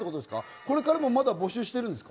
これからもまだ募集してるんですか？